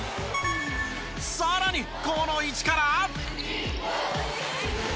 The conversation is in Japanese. さらにこの位置から。